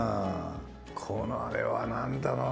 このあれはなんだろうな？